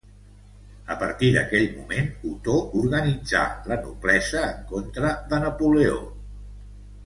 A partir d'aquell moment Otó organitzà la noblesa en contra de Napoleó.